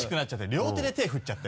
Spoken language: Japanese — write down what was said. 両手で手を振っちゃって。